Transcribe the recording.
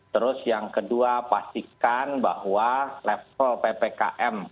terus yang kedua pastikan bahwa level ppkm